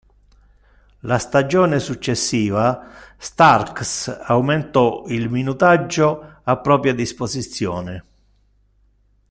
La stagione successiva, Starks aumentò il minutaggio a propria disposizione.